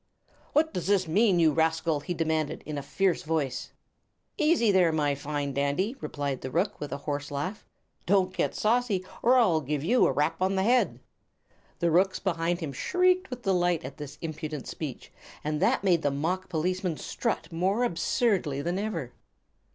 "What does this mean, you rascal?" he demanded, in a fierce voice. "Easy there, my fine dandy," replied the rook, with a hoarse laugh. "Don't get saucy, or I'll give you a rap on the head!" The rooks behind him shrieked with delight at this impudent speech, and that made the mock policeman strut more absurdly than ever.